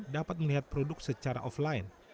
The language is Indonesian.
dapat melihat produk secara offline